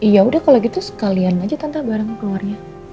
yaudah kalau gitu sekalian aja tante bareng keluar ya